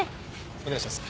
お願いします。